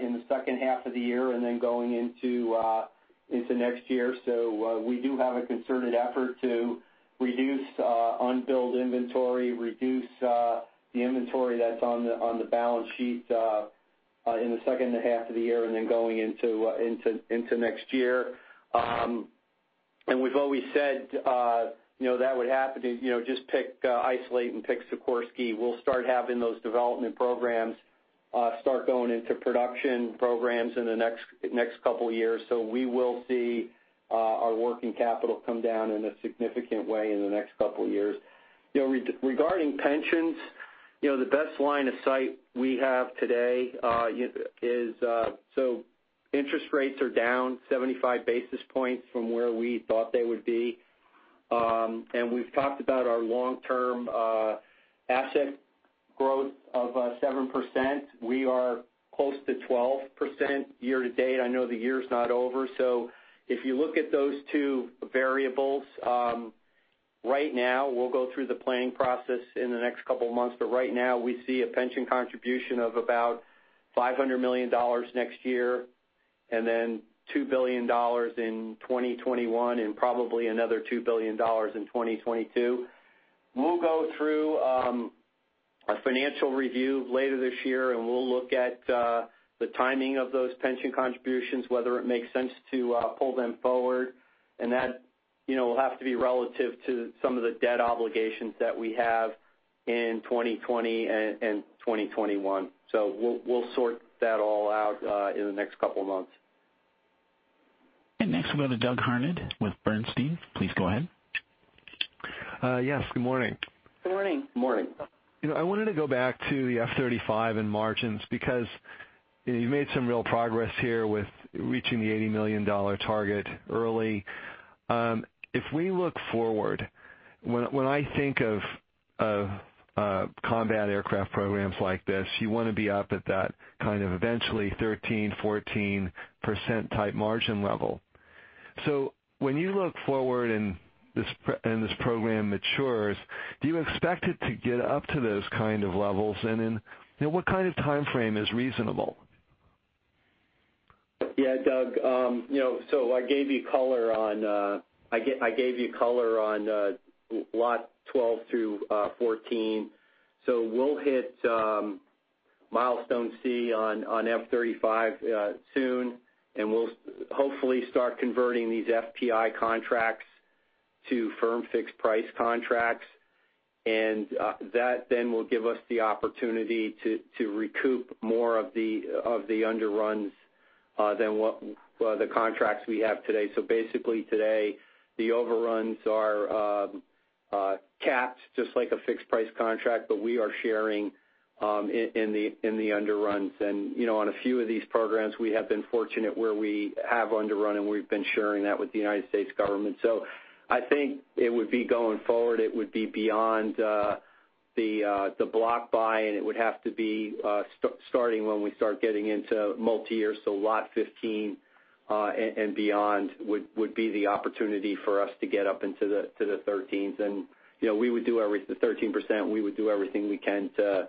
in the second half of the year and then going into next year. We do have a concerted effort to reduce unbilled inventory, reduce the inventory that's on the balance sheet in the second half of the year and then going into next year. We've always said that would happen. Just isolate and pick Sikorsky. We'll start having those development programs start going into production programs in the next couple of years. We will see our working capital come down in a significant way in the next couple of years. Regarding pensions, the best line of sight we have today is, interest rates are down 75 basis points from where we thought they would be. We've talked about our long-term asset growth of 7%. We are close to 12% year to date. I know the year's not over. If you look at those two variables right now, we'll go through the planning process in the next couple of months. Right now, we see a pension contribution of about $500 million next year and then $2 billion in 2021 and probably another $2 billion in 2022. We'll go through a financial review later this year, and we'll look at the timing of those pension contributions, whether it makes sense to pull them forward. That will have to be relative to some of the debt obligations that we have in 2020 and 2021. We'll sort that all out in the next couple of months. Next we'll go to Doug Harned with Bernstein. Please go ahead. Yes, good morning. Good morning. Good morning. I wanted to go back to the F-35 and margins because you've made some real progress here with reaching the $80 million target early. If we look forward, when I think of combat aircraft programs like this, you want to be up at that kind of eventually 13%, 14%-type margin level. When you look forward and this program matures, do you expect it to get up to those kind of levels? What kind of time frame is reasonable? Yeah, Doug. I gave you color on lot 12 through 14. We'll hit Milestone C on F-35 soon, and we'll hopefully start converting these FPI contracts to firm fixed price contracts. That then will give us the opportunity to recoup more of the underruns than what the contracts we have today. Basically today, the overruns are capped, just like a fixed price contract, but we are sharing in the underruns. On a few of these programs, we have been fortunate where we have underrun, and we've been sharing that with the United States government. I think it would be going forward, it would be beyond the block buy, and it would have to be starting when we start getting into multi-year. Lot 15 and beyond would be the opportunity for us to get up into the 13s. The 13%, we would do everything we can to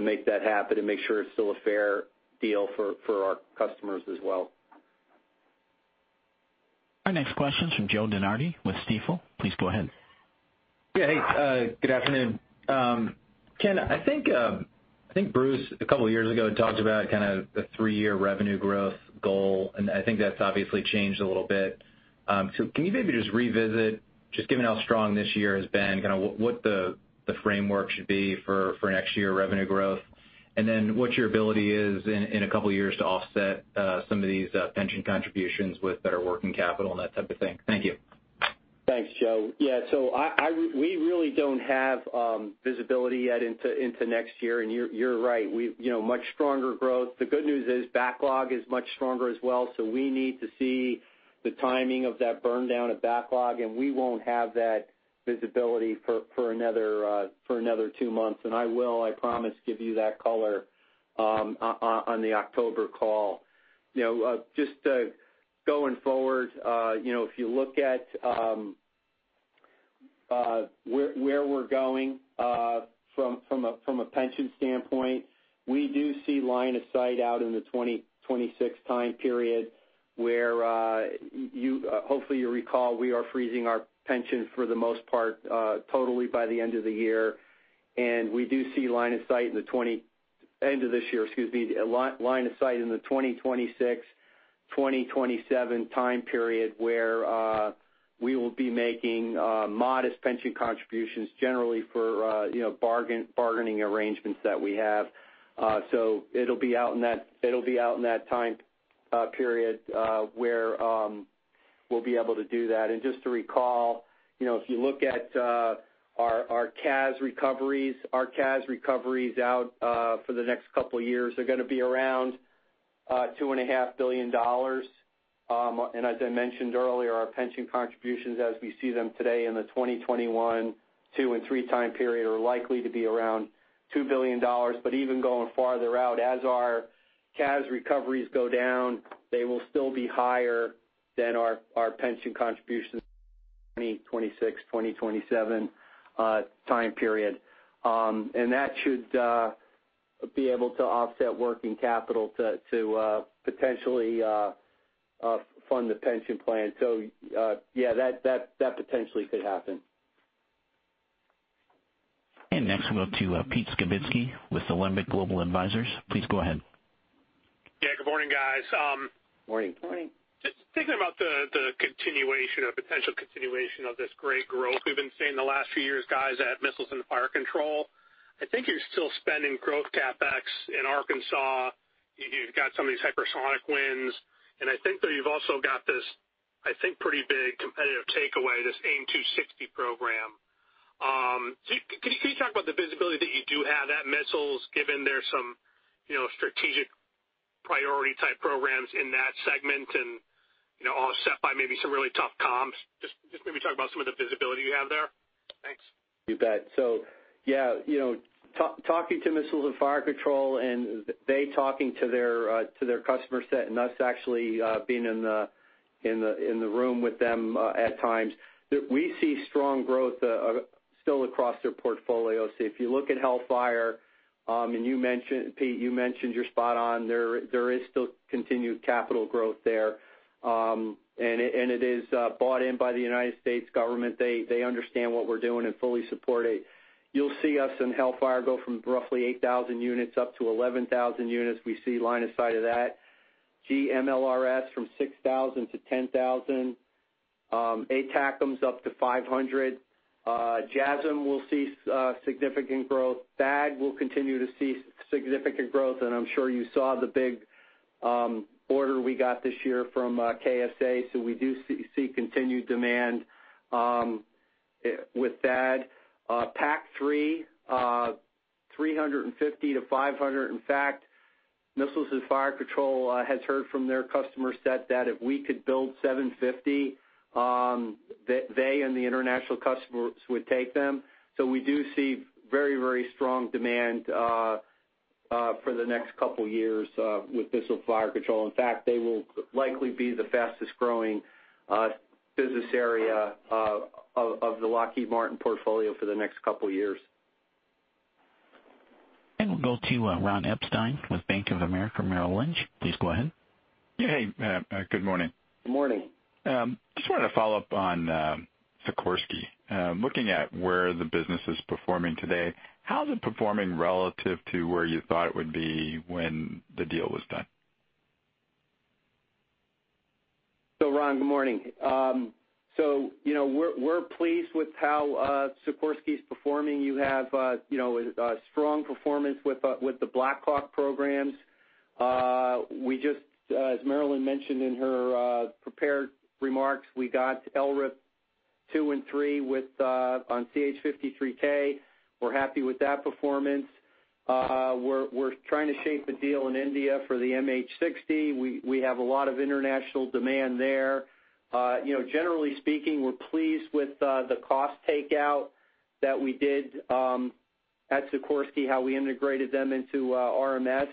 make that happen and make sure it's still a fair deal for our customers as well. Our next question's from Joe DeNardi with Stifel. Please go ahead. Yeah, hey, good afternoon. Ken, I think Bruce, a couple years ago, talked about kind of the three-year revenue growth goal. I think that's obviously changed a little bit. Can you maybe just revisit, just given how strong this year has been, kind of what the framework should be for next year revenue growth, and then what your ability is in a couple of years to offset some of these pension contributions with better working capital and that type of thing? Thank you. Thanks, Joe. Yeah, we really don't have visibility yet into next year. You're right, much stronger growth. The good news is backlog is much stronger as well. We need to see the timing of that burn down of backlog, and we won't have that visibility for another two months. I will, I promise, give you that color on the October call. Just going forward, if you look at where we're going from a pension standpoint, we do see line of sight out in the 2026 time period where, hopefully you recall, we are freezing our pension for the most part totally by the end of the year. We do see line of sight in the end of this year, excuse me, line of sight in the 2026, 2027 time period, where we will be making modest pension contributions generally for bargaining arrangements that we have. It'll be out in that time period, where we'll be able to do that. Just to recall, if you look at our CAS recoveries, our CAS recoveries out for the next couple of years are going to be around $2.5 billion. As I mentioned earlier, our pension contributions as we see them today in the 2021, 2022 and 2023 time period are likely to be around $2 billion. Even going farther out, as our CAS recoveries go down, they will still be higher than our pension contribution 2026, 2027 time period. That should be able to offset working capital to potentially fund the pension plan. Yeah, that potentially could happen. Next we go to Pete Skibitski with Alembic Global Advisors. Please go ahead. Yeah, good morning, guys. Morning. Morning. Just thinking about the continuation or potential continuation of this great growth we've been seeing the last few years, guys, at Missiles and Fire Control. I think you're still spending growth CapEx in Arkansas. I think that you've also got this, I think, pretty big competitive takeaway, this AIM-260 program. Can you talk about the visibility that you do have at Missiles, given there's some strategic priority type programs in that segment and offset by maybe some really tough comps? Just maybe talk about some of the visibility you have there. Thanks. You bet. Yeah. Talking to Missiles and Fire Control and they talking to their customer set and us actually being in the room with them at times, we see strong growth still across their portfolio. If you look at Hellfire, and Pete, you mentioned, you're spot on, there is still continued capital growth there. It is bought in by the United States government. They understand what we're doing and fully support it. You'll see us in Hellfire go from roughly 8,000 units up to 11,000 units. We see line of sight of that. GMLRS from 6,000-10,000. ATACMS up to 500. JASSM will see significant growth. THAAD will continue to see significant growth, and I'm sure you saw the big order we got this year from KSA. We do see continued demand with that. PAC-3, 350-500. In fact, Missiles and Fire Control has heard from their customer set that if we could build 750, that they and the international customers would take them. We do see very, very strong demand for the next couple of years with Missiles and Fire Control. In fact, they will likely be the fastest-growing business area of the Lockheed Martin portfolio for the next couple of years. We'll go to Ron Epstein with Bank of America Merrill Lynch. Please go ahead. Hey, good morning. Good morning. Just wanted to follow up on Sikorsky. Looking at where the business is performing today, how is it performing relative to where you thought it would be when the deal was done? Ron, good morning. We're pleased with how Sikorsky's performing. You have a strong performance with the BLACK HAWK programs. As Marillyn mentioned in her prepared remarks, we got LRIP 2 and 3 on CH-53K. We're happy with that performance. We're trying to shape a deal in India for the MH-60R. We have a lot of international demand there. Generally speaking, we're pleased with the cost takeout that we did at Sikorsky, how we integrated them into RMS.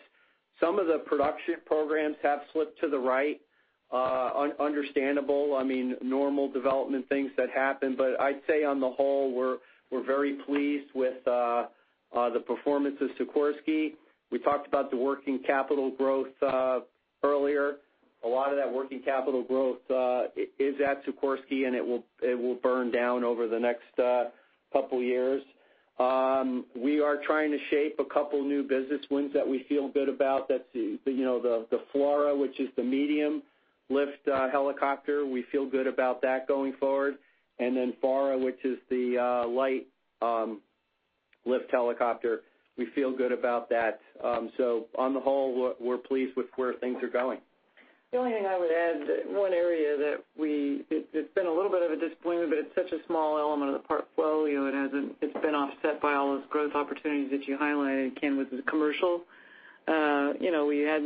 Some of the production programs have slipped to the right. Understandable. I mean, normal development things that happen. I'd say on the whole, we're very pleased with the performance of Sikorsky. We talked about the working capital growth earlier. A lot of that working capital growth is at Sikorsky, and it will burn down over the next couple of years. We are trying to shape a couple new business wins that we feel good about. That's the FLRAA, which is the medium-lift helicopter. We feel good about that going forward. Then FARA, which is the light lift helicopter. We feel good about that. On the whole, we're pleased with where things are going. The only thing I would add, one area that it's been a little bit of a disappointment, but it's such a small element of the portfolio, it's been offset by all those growth opportunities that you highlighted, Ken, with the commercial.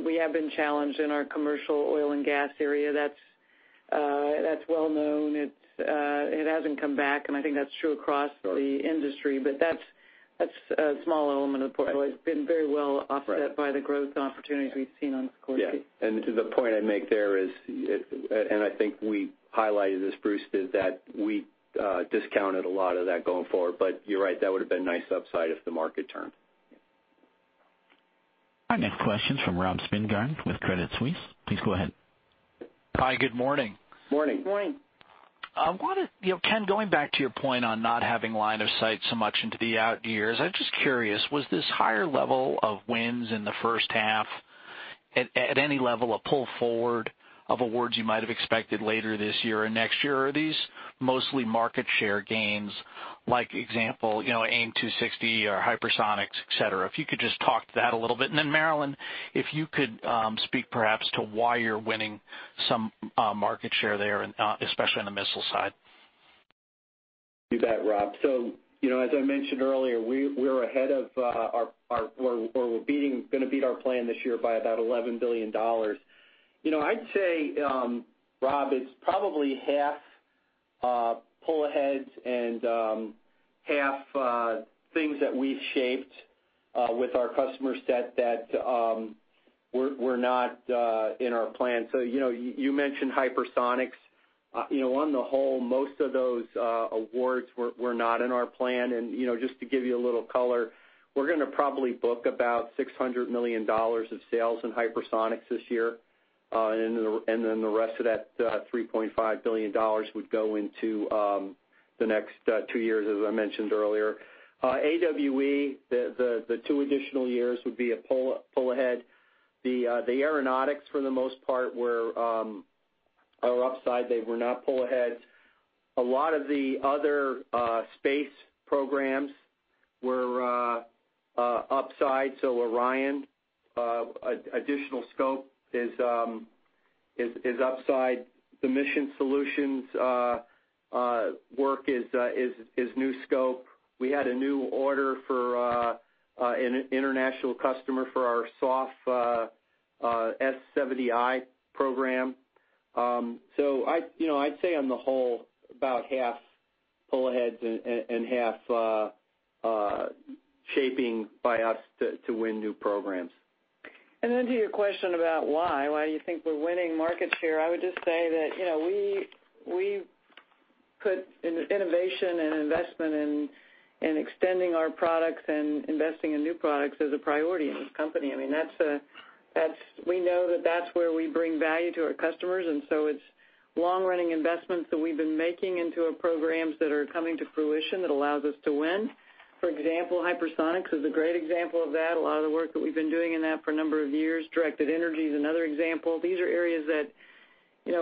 We have been challenged in our commercial oil and gas area. That's well known. It hasn't come back, and I think that's true across the industry. That's a small element of the portfolio. Right. It's been very well offset by the growth opportunities we've seen on Sikorsky. Yeah. To the point I'd make there is, I think we highlighted this, Bruce, is that we discounted a lot of that going forward. You're right, that would've been nice upside if the market turned. Our next question's from Rob Spingarn with Credit Suisse. Please go ahead. Hi, good morning. Morning. Morning. Ken, going back to your point on not having line of sight so much into the out years, I'm just curious, was this higher level of wins in the first half, at any level, a pull forward of awards you might have expected later this year or next year? Are these mostly market share gains, like example, AIM-260 or hypersonics, et cetera? If you could just talk to that a little bit. Marillyn, if you could speak perhaps to why you're winning some market share there, especially on the missile side. You bet, Rob. As I mentioned earlier, we're going to beat our plan this year by about $11 billion. I'd say, Rob, it's probably half pull aheads and half things that we've shaped with our customer set that were not in our plan. You mentioned hypersonics. On the whole, most of those awards were not in our plan. Just to give you a little color, we're going to probably book about $600 million of sales in hypersonics this year. The rest of that $3.5 billion would go into the next two years, as I mentioned earlier. AWE, the two additional years would be a pull ahead. The aeronautics, for the most part, were our upside. They were not pull aheads. A lot of the other space programs were upside. Orion, additional scope is upside. The Mission Solutions work is new scope. We had a new order for an international customer for our SOF S-70i program. I'd say on the whole, about half pull aheads and half shaping by us to win new programs. Then to your question about why you think we're winning market share, I would just say that we put innovation and investment in extending our products and investing in new products as a priority in this company. We know that that's where we bring value to our customers, and so it's long-running investments that we've been making into our programs that are coming to fruition that allows us to win. For example, hypersonics is a great example of that. A lot of the work that we've been doing in that for a number of years. Directed energy is another example. Even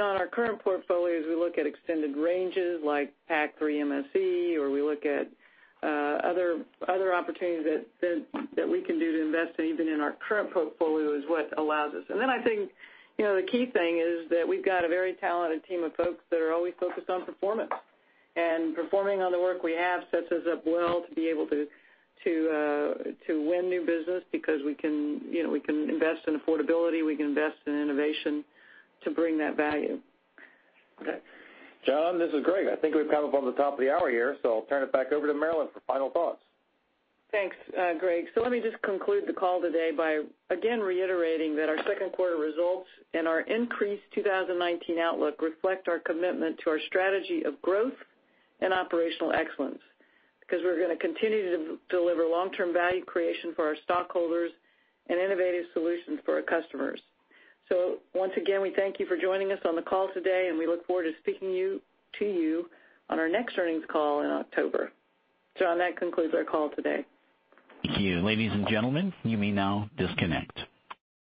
on our current portfolios, we look at extended ranges like PAC-3 MSE, or we look at other opportunities that we can do to invest even in our current portfolio is what allows us. I think, the key thing is that we've got a very talented team of folks that are always focused on performance. Performing on the work we have sets us up well to be able to win new business because we can invest in affordability, we can invest in innovation to bring that value. Okay. John, this is Greg. I think we've come up on the top of the hour here, so I'll turn it back over to Marillyn for final thoughts. Thanks, Greg. Let me just conclude the call today by again reiterating that our second quarter results and our increased 2019 outlook reflect our commitment to our strategy of growth and operational excellence, because we're going to continue to deliver long-term value creation for our stockholders and innovative solutions for our customers. Once again, we thank you for joining us on the call today, and we look forward to speaking to you on our next earnings call in October. John, that concludes our call today. Thank you. Ladies and gentlemen, you may now disconnect.